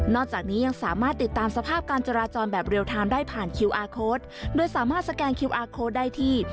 จากนี้ยังสามารถติดตามสภาพการจราจรแบบเรียลไทม์ได้ผ่านคิวอาร์โค้ดโดยสามารถสแกนคิวอาร์โค้ดได้ที่